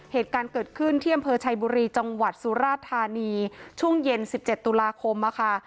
เหตุการณ์เกิดขึ้นที่อำเภอชัยบุรีจังหวัดสุราธานีช่วงเย็น๑๗ตุลาคมนะคะ